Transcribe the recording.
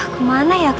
aku mau pacarnya aja